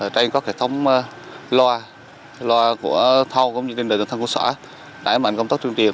trên có cái thông loa loa của thôn cũng như là thông của xã đải mạnh công tốc tuyên truyền